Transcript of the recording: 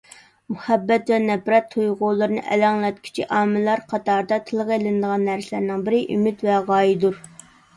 مۇھەببەت ۋە نەپرەت تۇيغۇلىرىنى ئەلەڭلەتكۈچى ئامىللار قاتارىدا تىلغا ئېلىنىدىغان نەرسىلەرنىڭ بىرى ئۈمىد ۋە غايەدۇر.